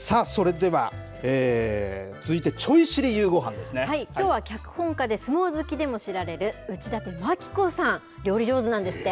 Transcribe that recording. それでは、きょうは脚本家で相撲好きでも知られる内館牧子さん、料理上手なんですって。